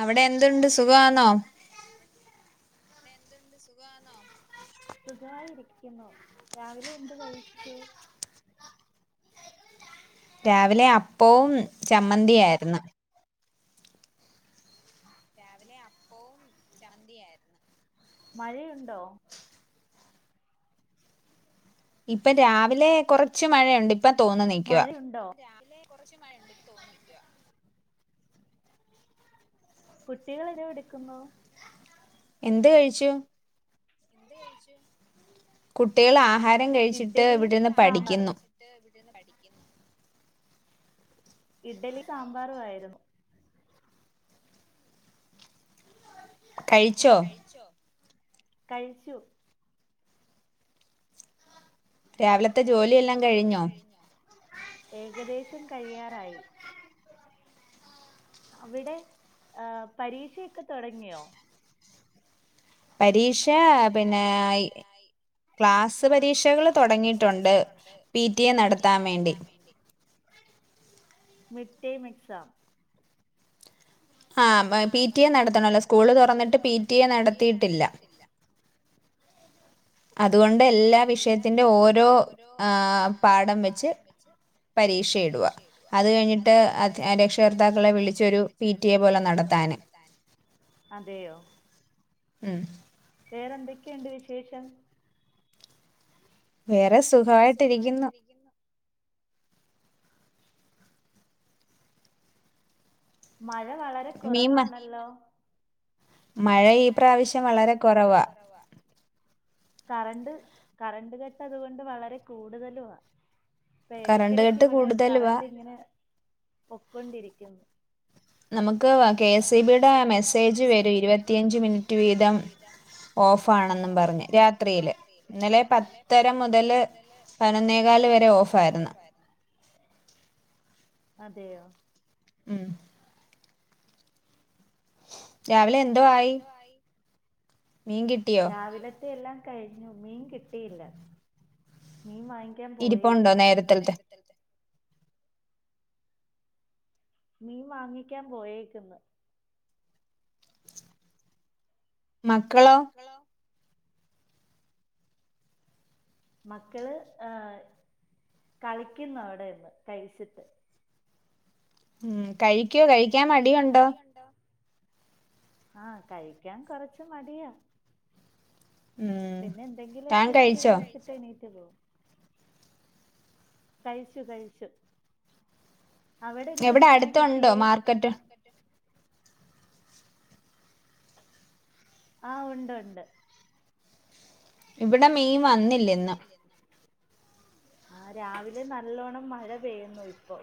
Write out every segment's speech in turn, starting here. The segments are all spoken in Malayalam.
അവടെ എന്തുണ്ട് സുഖമാന്നൊ വടെ എന്തുണ്ട് സുഖമാന്നൊ സുഖമായിരിക്കുന്നു രാവിലെ എന്ത് കഴിച്ചു രാവിലെ അപ്പവും ചമ്മന്തിയായിരുന്നു രാവിലെ അപ്പവും ചമ്ന്തിയായിരുന്നു മഴയുണ്ടോ ഇപ്പം രാവിലെ കൊറച്ച് മഴയുണ്ട് പ്പ തോന്നുന്നി മഴയുണ്ടോ രാവിലെ കുറച്ച് മഴയുണ്ട് ഇപ്പൊതോന്നു ക്യാ കുട്ടികളെവ്ടെ ക്കുന്നു എന്ത് കഴിച്ചു എന്ത് കഴിച്ച് കുട്ടികള് ആഹാരം കഴിച്ചിട്ട് ഇവെടെ ഇര്ന്ന് പഠിക്ക്യിന്നു ട്ട് ഇവിടെ ഇര്ന്ന് പഠിക്ക്യിന്നു ഇഡലി സാമ്പാറുവായിരുന്നു കഴി കഴിച്ചോ കഴിച്ചു രാവിലത്തെ ജോലിയെല്ലാം കഴിഞ്ഞോ ഏകദേശം കഴിയാറായി അവിടെ ആഹ് പരീക്ഷയെക്കെ തൊടങ്ങിയോ പരീക്ഷ പിന്നെ ഈ ക്ലാസ് പരീക്ഷകള് തൊടങ്ങിട്ടുണ്ട് പി ടി എ നടത്താൻ വേണ്ടി mid term exam ah [unintelligible] P T A നടത്തണല്ലോ സ്കൂള് തൊറന്നിട്ട് പി ടി എ നടത്തിയിട്ടില്ല അതുകൊണ്ട് എല്ലാ വിഷയത്തിന്റെ ഓരോ ആഹ് പാഠം വെച്ച് പരീക്ഷയിടുവാ അത് കഴിഞ്ഞിട്ട് അദ്ധ്യ ഏഹ് രക്ഷകർത്താക്കളെ വിളിച്ചൊരു പി ടി എ പോലെ നടത്താന് ത്താന് അതെയോ ഉം വേറെ എന്തൊക്കെയുണ്ട് വിശേഷം വേറെ സുഖാവായിട്ടിരിക്ക്യുന്നു മഴ വളരെ കൊറവാണല്ലോ മഴ ഈ പ്രാവശ്യം വളരെ കൊറവാ കറണ്ട് കറണ്ട് കട്ട് അതുകൊണ്ട് വളരെ കൂടുതലുവാ ഇപ്പെ എടക്കെടക്ക് ഇവെടെ കറണ്ട് ഇങ്ങനെ പൊക്കോണ്ടിരിക്ക്യുന്നു നമ്മക്ക് വ കെ എസ് ഇ ബിടെ മെസ്സേജ് വെരും ഇരുവത്തി ഇരുപത്തിയഞ്ച് മിനിറ്റ് വീതം ഓഫാണെന്നും പറഞ്ഞ് രാത്രിയില് ഇന്നലെ പത്തര മുതല് പതിനൊന്നേകാല് വരെ ഓഫായിര്ന്ന് അതെയോ ഉം രാവിലെ എന്തോ ആയി രാവിലത്തെ എല്ലാം കഴിഞ്ഞു മീൻ കിട്ടിയില്ല മീൻ വാങ്ങിക്ക്യാൻ പോയേക്ക്ന്നു [unintelligible] മീൻ വാങ്ങിക്ക്യാൻ പോയേക്ക്ന്ന് മക്കളോ മക്കള് ഏഹ് കളിക്ക്യുന്നു അവ്ടെ ഇരുന്ന് കഴിച്ചിട്ട് ഉം കഴിക്ക്യോ കഴിക്ക്യാൻ മടിയുണ്ടോ ആഹ് കഴിക്ക്യാൻ കൊറച്ച് മടിയാ പിന്നെ എന്തെങ്കിലൊക്കെ ഇച്ചിരി കഴിച്ചിട്ട് എണീറ്റ് പോവും കഴിച്ചു കഴിച്ചു അവെടെ എന്ത് മീനാ കിട്ടിയേ അവെടെ അട്ത്ത്ണ്ടോ മാർക്കറ്റ് ആഹ് ഉണ്ട് ഉണ്ട് ഇവിടെ മീൻ വന്നില്ല ഇന്ന് ഇന്ന് ആഹ് രാവിലെ നല്ലോണം മഴ പെയ്യുന്നു ഇപ്പോ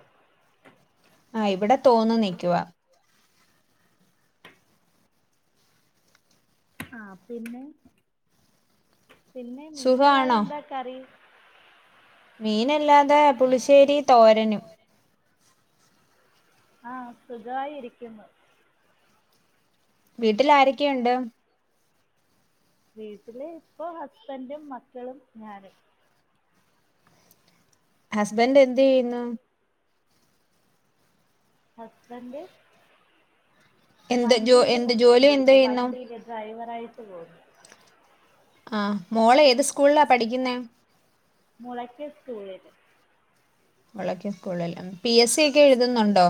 ആഹ് ഇവെടെ തോർന്ന് നിക്ക്യുവാ ആഹ് പിന്നെ പിന്നെ മീനല്ലാതെ എന്താ കറി മീനല്ലാതെ പുളിശ്ശേരി തോരനും ആ സുഖമായിരിക്കുന്നു വീട്ടിലാരൊക്കെയുണ്ട് വീട്ടില് ഇപ്പൊ ഹസ്ബന്റും മക്കളും ഞാനും ഹസ്ബന്റ് എന്തെയ്യുന്നു ഹസ്ബന്റ് വണ്ടീല് പൊക്കൊണ്ടിരിക്ക വണ്ടീല് ഡ്രൈവറായിട്ട് പോവും ആ മോള് ഏത് സ്കൂൾലാ പഠിക്കുന്നെ മുളക്കെ സ്കൂളില് മുളക്കെ സ്കൂള്ല് പി എസ് സി ഒക്കെ എഴുതുന്നുണ്ടോ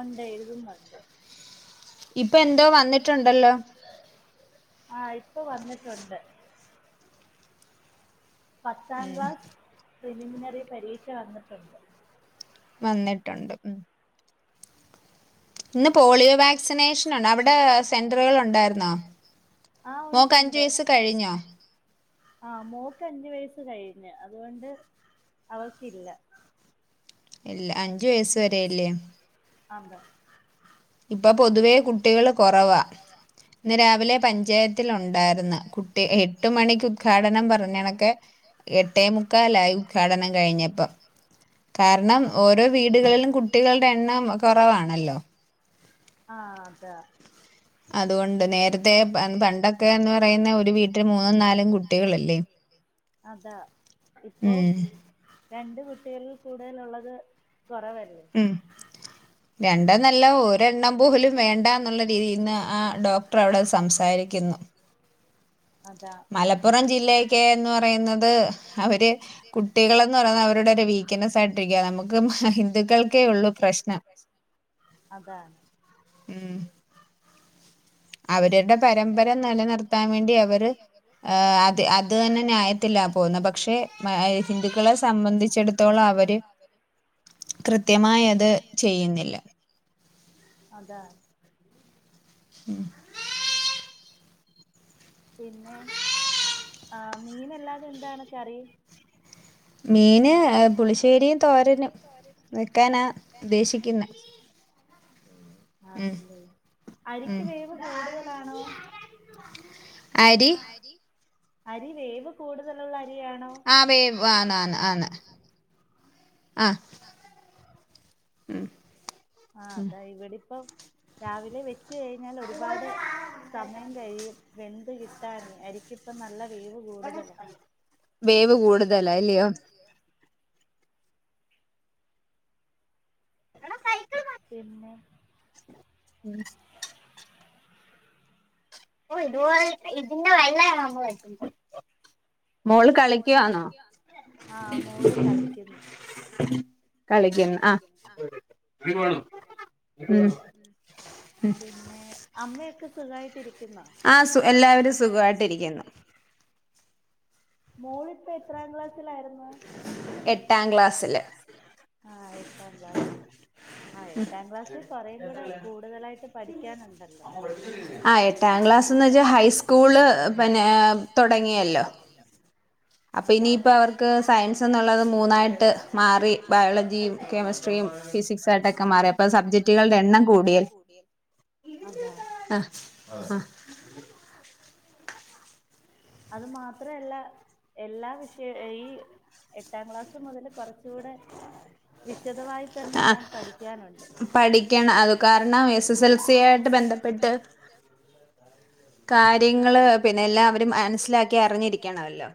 ഉണ്ട് എഴുതുന്നുണ്ട്. ഇപ്പൊ എന്തോ വന്നിട്ടുണ്ടല്ലോ? ആ ഇപ്പൊ വന്നിട്ടുണ്ട്. പത്താം ക്ലാസ് പ്രിലിമിനറി പരീക്ഷ വന്നിട്ടുണ്ട് വന്നിട്ടുണ്ട് ഉം ഇന്ന് പോളിയോ വാക്സിനേഷനുണ്ട് അവിടെ സെന്ററുകളുണ്ടായിരുന്നോ? ആ ഉണ്ട്ണ്ട് ആ മോക്ക് അഞ്ച് വയസ്സ് കഴിഞ്ഞു. അതുകൊണ്ട് അവൾക്കില്ല. ഇല്ല അഞ്ചു വയസ് വരെയല്ലേ അതെ ഇപ്പൊ പൊതുവേ കുട്ടികള് കൊറവാ ഇന്ന് രാവിലെ പഞ്ചായത്തിൽ ഉണ്ടായിരൂന്ന്. കുട്ടി എട്ടു മണിക്ക് ഉദ്ഘാടനം പറഞ്ഞണക്കെ എട്ടേമുക്കാലായി ഉദ്ഘാടനം കഴിഞ്ഞപ്പം കാരണം ഓരോ വീടുകളിലും കുട്ടികളുടെ എണ്ണം കുറവാണല്ലോ? ആഹ്‌ അതാ അതുകൊണ്ട് നേര്ത്തേ പണ്ടൊക്കെ എന്ന് പറയുന്നെ ഒരു വീട്ടിൽ മൂന്നും നാലും കുട്ടികളില്ലേ അതാ ഇപ്പോ രണ്ട് കുട്ടികളിൽ കൂടുതലുള്ളത് കൊറവല്ലേ ഉം രണ്ട്ന്നല്ല ഒരെണ്ണം പോലും വേണ്ടാന്നുള്ള രീതിയിന്ന് ആ ഡോക്ടർ അവിടെ സംസാരിയ്ക്കുന്നു. [inaudible] മലപ്പുറം ജില്ലയക്കെ എന്ന് പറയുന്നത് അവര് കുട് കുട്ടികളെന്ന് പറഞ്ഞാ അവരുടെ ഒരു വീക്ക്നെസ് ആയിട്ടിരിക്ക. നമുക്ക് ഹിന്ദുക്കൾക്കേ ഒള്ളൂ പ്രശ്നം. അതാണ് ഉം അവരുടെ പരമ്പര നിലനിർത്താൻ വേണ്ടി അവറ് അത് അത് തന്നെ ന്യായത്തിലാക്കും. ഒരു പക്ഷെ ആ ഹിന്ദുക്കളെ സംബന്ധിച്ചെടത്തോളം അവര് കൃത്യമായി അത് ചെയ്യുന്നില്ല അതാ ഉം [inaudible] പിന്നെ ആ മീനല്ലാതെ എന്താണ് കറി മീന് ആ പുളിശ്ശേരിയും തോരനും വെക്കാനാ ഉദ്ദേശിക്കുന്നെ. ആണ് ല്ലേ അരിക്ക് വേവ് കൂടുതലാണോ അരി അരി അരി വേവ് കൂടുതലുള്ള അരിയാണോ? ആഹ് വേവ് വാ ആന്ന് ആഹ് ആഹ്‌ ഉം ആഹ്‌ അതാ ഇവിടെപ്പം രാവിലെ വെച് ച്ച് കഴിഞ്ഞാല് ഒരുപാട് സമയം കഴിയും വെന്ത് കിട്ടാന് അരിക്കിപ്പം നല്ല വേവും കൂടുതലാ വേവ് കൂടുതലറ അല്ല്യോ എടാ സൈക്കിൾ പിന്നെ ഉം [inaudible] ഓ ഇതുപോലെ ഇതിൻ്റെ വെള്ള ആവുമ്പോ [unintelligible] മോള് കളിക്കുവാന്നോ? കളിക്കുൻ ആഹ് ഉം പിന്നെ അമ്മയൊക്കെ സുഖായിട്ടിരി ആഹ് സു എല്ലാവരും സുഖവായിട്ടിരിക്കുന്നു മോളിപ്പോ എത്രാം ക്ലാസ്സിലായിരുന്നു എട്ടാം ക്ലാസ്സില് ആഹ് എട്ടാം ക്ലാസില് ആഹ് എട്ടാം ക്ലാസ്സി കൊറേം കൂടെ കൂടുതലായിട്ട് പഠിക്കാനുണ്ടല്ലോ ആഹ് എട്ടാം ക്ലാസ്ന്ന് വെച്ചാ ഹൈസ്കൂള് പിന്നെ തൊടങ്ങിയല്ലോ അപ്പ ഇനിയിപ്പോ അവർക്ക് സയൻസ്ന്നുള്ളത് മൂന്നായിട്ട് മാറി ബയോളജിയും കെമിസ് കെമിസ്ട്രിയും ഫിസിക്സായിട്ടൊക്കെ മാറി ഇപ്പ സബ്ജക്ടുകളുടെ എണ്ണം കൂടി അതാ ആഹ് ആഹ് അത് മാത്രല്ലാ എല്ലാ വിഷയ ഈ എട്ടാം ക്ലാസ്സ് മുതല് കൊറച്ചൂടെ വിശദമായി ട്ടെല്ലാംപഠിക്കാനുണ്ട് പഠിക്കണം കാരണം എസ് എസ് എൽസിയായിട്ട് ബന്ധപ്പെട്ട് [inaudible] കാര്യങ്ങള് പിന്നെ എല്ലാം അവര് മനസിലാക്കി അറിഞ്ഞിരിക്കണല്ലോ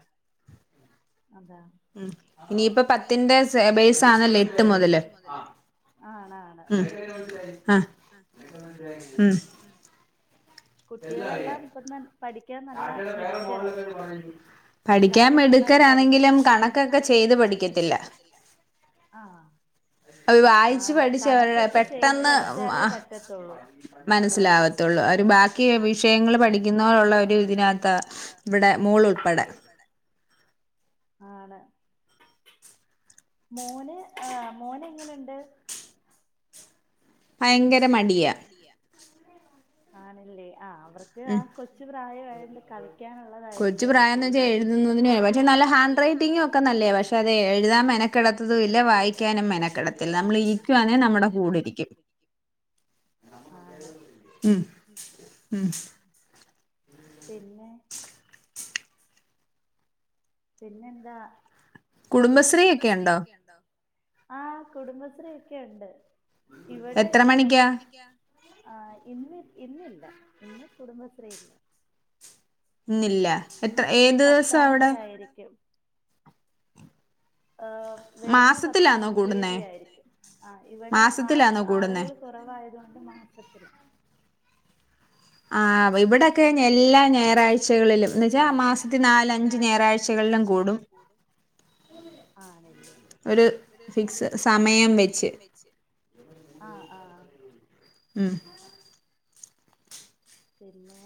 അതാണ് ഉം ഇനിയിപ്പ പത്തിന്റെ സെ ബെയ്‌സാണല്ലേ എട്ട് മുതല് ഉം ആഹ് ഉം ഉം കുട്ടികളെല്ലാം ഇപ്പൊ നൽ പഠിക്കാൻ നല്ല മിടുക്കരാ ഉം എല്ലാരും നന്നായി പഠി പഠിക്കാൻ മിടുക്കരാണെങ്കിലും കണക്കൊക്കെ ചെയ്ത് പഠിക്കത്തില്ലാ ആഹ് ആണ് കണക്കൊക്കെ ചെയ്ത് പഠിച്ചാലേ പറ്റത്തുള്ളൂ മനസ്സിലാവത്തുള്ളൂ അവര് ബാക്കി വിഷയങ്ങള് പഠിക്കുന്ന ഒള്ളെ ഒര് ഇതിനാത്താ ഇവടെ ഇവിടെ മോളുൾപ്പെടെ ആണ് മോന് ആഹ് മോനെങ്ങനൊണ്ട് ഭയങ്കര മടിയാ ആണല്ലേ ആഹ് അവർക്ക് ആ കൊച്ചു പ്രായയോണ്ട് കളി ക്കാനൊള്ളതായിരിക്കുവല്ലോ കൂടുതലും, പക്ഷെ ഹാൻറൈറ്റിങ്ങൊക്കെ നല്ലയാ പക്ഷെ അത് എഴുത് താൻ മെനകെടത്തൂല്ലാ വയിക്കാനും മെനക്കെടത്തില്ലാ നമ്മള് ഇരിക്കുവാന്നെ നമ്മടെ കൂടെ ഇരിക്കും ആണ് [inaudible] [inaudible] പിന്നെ [inaudible] പിന്നെന്താ കുടുംബശ്രീ ക്കെണ്ടോ എന്ടോ ആഹ് കുടുംബശ്രീക്കെ ണ്ട് ഇവിടെ ആഹ് ഇന്ന് ഇന്നില്ല ഇന്ന് കുടുംബശ്രീ ഇല്ല ഇന്നില്ല എത്ര ഏതൊവസവിടെ [unintelligible] ആഹ് വരുന്ന പത്താം തീയതി ആയിരിക്കും ആ ഇവിടെ ആ ആളുകൾ കുറവായതുകൊണ്ട് മാസത്തില ആ ഇവിടെക്കെ എല്ലാ ഞായറാഴ്ചകളിലും എന്നുച്ചാ മാസത്തി നാല അഞ്ച് ഞായറാഴ്ചകളിലും ആണല്ലേ ഒരു ഫിക്സ് സമയം വെച്ച് ആഹ് ആഹ് ഉം പിന്നെ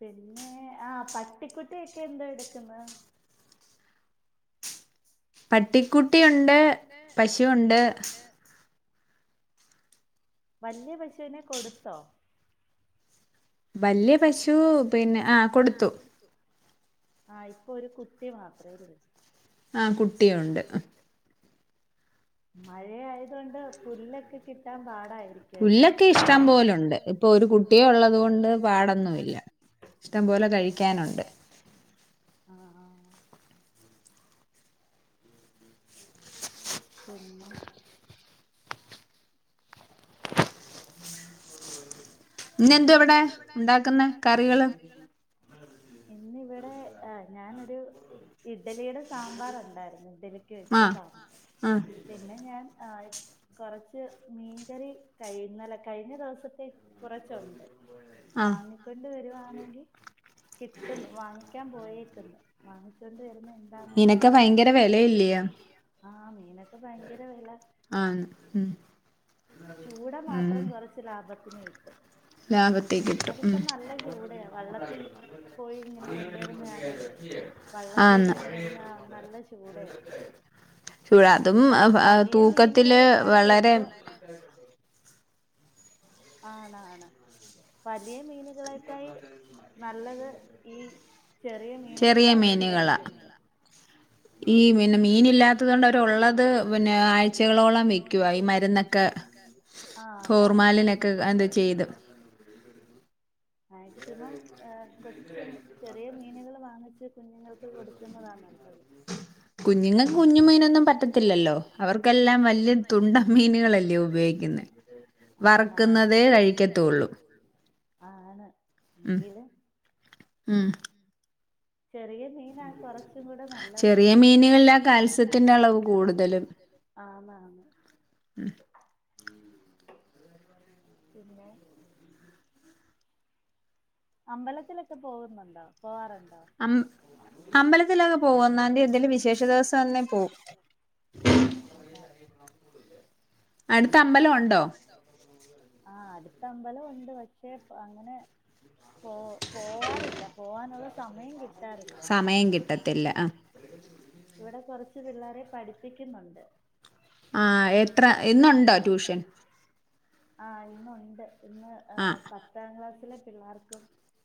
പിന്നെ ആ പട്ടിക്കുട്ടിയൊക്കെ എന്താ എടുക്കുന്നത് പട്ടിക്കുട്ടിയുണ്ട് പശുണ്ട് വലിയ പശുവിനെ കൊടുത്തോ വലിയ പശു പിന്നെ ആഹ് കൊടുത്തു ആഹ് ഇപ്പൊ ഒരു കുട്ടി മാത്രല്ലേ ആഹ് കുട്ടിയു ഉണ്ട് മഴയയത കൊണ്ട് പുല്ലൊക്കെ കിട്ടാൻ പാടായിരിക്കും പുല്ലൊക്കെ ഇഷ്ടം പോലുണ്ട് ഇപ്പൊ ഒരു കുട്ടിയ ഉള്ളത് കൊണ്ട് പാടൊന്നുമില്ല ഇഷ്ടം പോലെ കഴിക്കാനുണ്ട് ആഹ് ആഹ് ശരി ഇന്നെന്ത ഇവിടെ ഉണ്ടാക്കുന്ന കറികള് ഇന്ന് ഇവിടെ ഞാനൊരു ഇഡ്ഡലിയുടെ സാമ്പാർ ഉണ്ടായിരുന്നു ഇഡ്ഡലി സാധനം പിന്നെ ഞാൻ ആ് കുറച്ച് മീൻകറി കഴുന്നല കഴിഞ്ഞ ദിവസത്തെകുറച്ച് ഉണ്ട് വാങ്ങി കൊണ്ട വരുവാണെങ്കിൽ കിട്ടുന്നു വാങ്ങിക്കാൻ പോയേക്കുന്നു വാങ്ങിച്ചൊണ്ട് വരുന്ന മിൻഭയ വിലല്ല ആഹ് മീനൊക്കെ ഭയങ്കര വില ആഹ് ചൂട മാത്രം കുറച്ച് ലാഭത്തിന് ഇട്ട് അതിപ്പോ നല്ല ചൂടയാ വെള്ളത്തി പോയി ഇങ്ങനെ കൊണ്ടുവരുന്ന വള്ളത്തിന്ന് കൊണ്ടുവരുന്ന നല്ല ചൂടയാണ് വലിയ മീനുകളൊക്കായി ഏറ്റവും ആണാണ് വലിയ മീനുകളെക്കായി നല്ലത് ഈ ചെറിയ മീനുകൾ വാങ്ങിച്ചു കഴിക്കുന്ന ഈ പിന്നെ മീൻ ഇല്ലാത്തതൊണ്ട് അവരുള്ളത് പിന്നെ ആഴ്ചകളോളം വിക്കുവാ ഈ മരുന്നൊ ക്ക. ആഹ് അതാ. ഫോർമാലിനൊക്കെ അത് ചെയ്ത്. മാക്സിമം കൊച്ച് ചെറിയ മീനുകൾ വാങ്ങിച്ച് കുഞ്ഞുങ്ങൾക്ക് കൊടുക്കുന്നതാ നല്ലത്. [inaudible] കുഞ്ഞുങ്ങക്ക് കുഞ്ഞു മീനൊന്നും പറ്റത്തില്ലല്ലോ അവർക്കെല്ലാം വലിയ തുണ്ടം മീനുകളല്ലേ ഉപയോ ഉപയോഗിക്കുന്നെ. ആഹ് ആണ് വറ്ക്കുന്നതേ കഴിക്കത്തുള്ളൂ. ആഹ് ആണ്. ഉം ഉം ചെറിയ മീനാ കുറച്ചും കൂടെ നല്ലത്. ചെറിയ മീനുകളിലാ കാൽസ്യത്തിന്റെ അളവ് കൂടുതലും. ആന്നാന്ന്. പിന്നെ അമ്പലത്തിലൊക്കെ പോകുന്നുണ്ടോ പോവാറുണ്ടോ? അം അമ്പലത്തിലൊക്കെ പോവും ഒന്നാം തീയതി എന്തേലും വിശേഷ ദിവസവാന്നെ പോവും. അതാ അടുത്ത് അമ്പലവുണ്ടോ? ആഹ് അടുത്ത അമ്പലംഉണ്ട് പക്ഷേ അങ്ങനെ പോ പോവാറില്ല പോവാനുള്ള സമയം കിട്ടാറില്ല. സമയം കിട്ടത്തില്ല. ഇവിടെ കുറച്ച് പിള്ളേരെ പഠിപ്പിക്കുന്നുണ്ട്. ആഹ് എത്ര ഇന്നുണ്ടോ ട്യൂഷൻ? ആഹ് ഇന്നുണ്ട്. ഇന്ന് പത്താം ക്ലാസ്സിലെ പിള്ളാർക്കും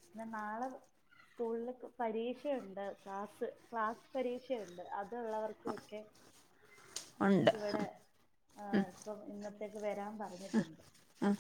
പിന്നെ നാളെ സ്കൂളില് ക് പരീക്ഷയുണ്ട്. Class class പരീക്ഷയുണ്ട്. അത്ള്ളവർക്കുംഒക്കെ ഇവിടെ ആഹ് ഇപ്പം ഇന്നത്തേക്ക് വരാൻ പറ അഹ് അഹ്